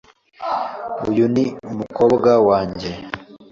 Uyu ni umukobwa wanjye .